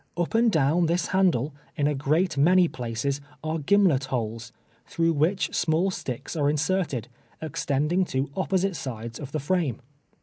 Up and down this handle, in a great many places, are gimlet holes, through which small sticks are inserted, extending to opposite sides of the frame.